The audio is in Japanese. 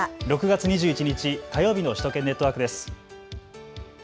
６月２１日、火曜日の首都圏ネットワークです。